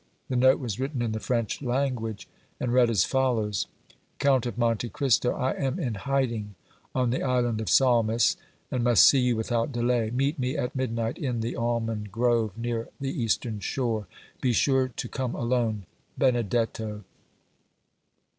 The note was written in the French language, and read as follows: COUNT OF MONTE CRISTO: I am in hiding on the Island of Salmis and must see you without delay. Meet me at midnight in the almond grove near the eastern shore. Be sure to come alone. BENEDETTO.